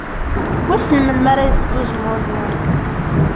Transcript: Wissen melmi ara yeẓẓed uzemmur-nni?